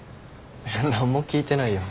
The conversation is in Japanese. えっ何も聞いてないよ。